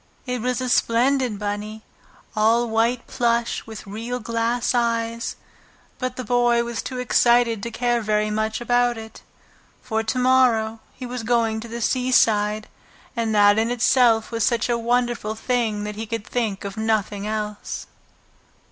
It was a splendid bunny, all white plush with real glass eyes, but the Boy was too excited to care very much about it. For to morrow he was going to the seaside, and that in itself was such a wonderful thing that he could think of nothing else.